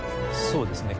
そうですね。